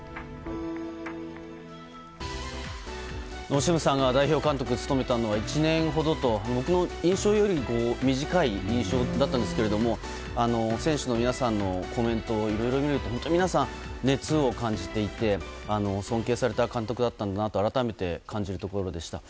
オシムさんが代表監督を務めたのは１年ほどと、僕の印象よりも短い印象だったんですけれども選手の皆さんのコメントをいろいろ見ると本当に皆さん、熱を感じていて尊敬された監督だったんだなと改めて感じるところでした。